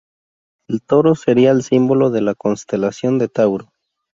El toro sería el símbolo de la constelación de Tauro.